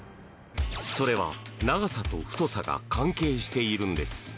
それは長さと太さが関係しているんです。